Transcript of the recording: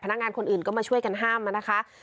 นักงานคนอื่นก็มาช่วยกันห้ามนะคะ